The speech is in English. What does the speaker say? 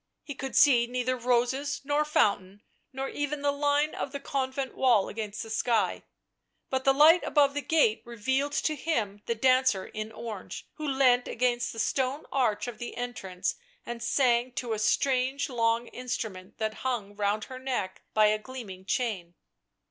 He could see neither roses, nor fountain, nor even the line of the convent wall against the sky ; but the light above the gate revealed to him the dancer in orange, who leant against the stone arch of the entrance and sang to a strange long instrument that hung round her neck by a gleaming chain.